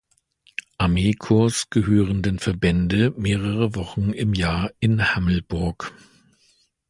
Armee-Korps gehörenden Verbände mehrere Wochen im Jahr in Hammelburg.